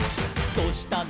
「どうしたの？